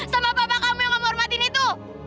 sama papa kamu yang mau menghormatin itu